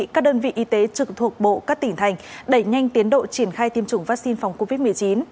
các đơn vị y tế trực thuộc bộ các tỉnh thành đẩy nhanh tiến độ triển khai tiêm chủng vaccine phòng covid một mươi chín